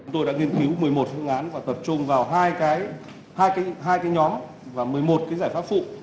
tập trung vào hai cái nhóm và một mươi một cái giải pháp phụ